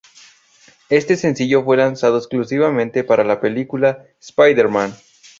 Este sencillo fue lanzado exclusivamente para la película Spider-Man.